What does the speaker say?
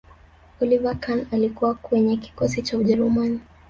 oliver kahn alikuwa kwenye kikosi cha ujerumani